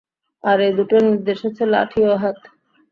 আর এ দুটো নিদর্শন হচ্ছে লাঠি ও হাত।